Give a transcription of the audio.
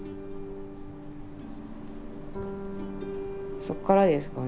そっからですかね